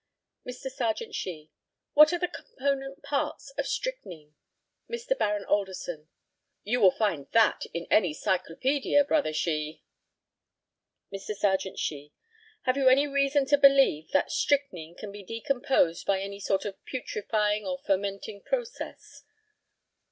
Mr. Serjeant SHEE: What are the component parts of strychnine? Mr. Baron ALDERSON: You will find that in any cyclopœdia, Brother SHEE. Mr. Serjeant SHEE: Have you any reason to believe that strychnine can be decomposed by any sort of putrefying or fermenting process?